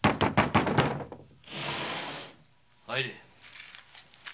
入れ！